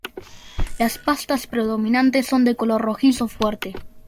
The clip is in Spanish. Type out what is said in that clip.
Las pastas predominantes son de color rojizo fuerte.